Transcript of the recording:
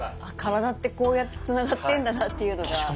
体ってこうやってつながってんだなっていうのが。